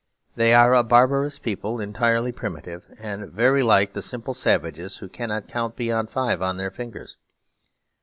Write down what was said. They are a barbarous people, entirely primitive, and very like the simple savages who cannot count beyond five on their fingers.